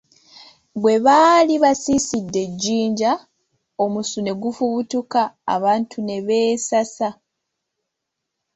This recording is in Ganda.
Bwe baali basiisidde e Jjinja, omusu ne gufubutuka abantu ne beesasa.